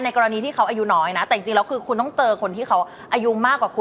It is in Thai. กรณีที่เขาอายุน้อยนะแต่จริงแล้วคือคุณต้องเจอคนที่เขาอายุมากกว่าคุณ